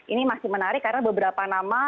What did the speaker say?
ini masih menarik karena beberapa nama